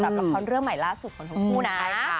นานมาประมาณ๑๙ปีอ่ะ